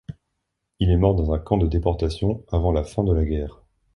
Il est mort dans un camp de déportation avant la fin de la guerre.